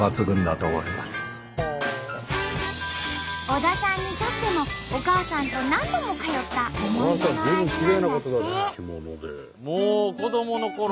小田さんにとってもお母さんと何度も通った思い出の味なんだって。